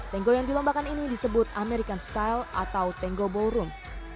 tengo yang dilombakan ini disebut american style atau tengo ballroom